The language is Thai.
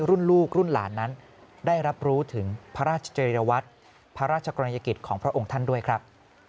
รุ่นลูกรุ่นหลานนั้นได้รับรู้ถึงพระราชจริยวัตรพระราชกรณียกิจของพระองค์ท่านด้วยครับ